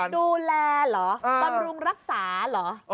ดูแลเหรอบำรุงรักษาเหรอ